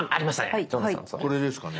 これですかね？